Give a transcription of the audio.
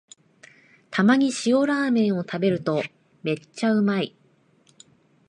たまに塩ラーメンを食べるとめっちゃうまい